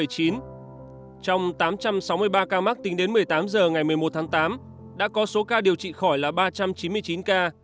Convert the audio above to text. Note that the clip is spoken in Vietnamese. trong tám trăm sáu mươi ba ca mắc tính đến một mươi tám h ngày một mươi một tháng tám đã có số ca điều trị khỏi là ba trăm chín mươi chín ca